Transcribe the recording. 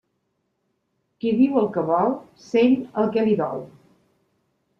Qui diu el que vol, sent el que li dol.